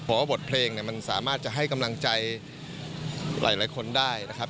เพราะว่าบทเพลงเนี่ยมันสามารถจะให้กำลังใจหลายคนได้นะครับ